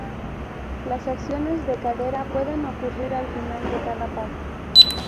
Las acciones de cadera pueden ocurrir al final de cada paso.